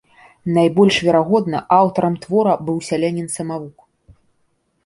Найбольш верагодна, аўтарам твора быў сялянін-самавук.